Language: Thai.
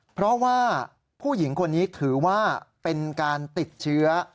เพราะว่าผู้หญิงคนนี้ถือว่าเป็นการติดเชื้อ